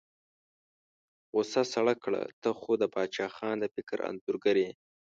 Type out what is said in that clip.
غوسه سړه کړه، ته خو د باچا خان د فکر انځورګر یې.